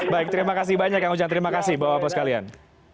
baik terima kasih banyak kang ujang terima kasih bapak bapak sekalian